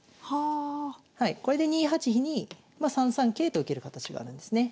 これで２八飛にま３三桂と受ける形があるんですね。